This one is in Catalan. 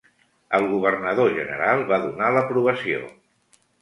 El governador general va donar l'aprovació.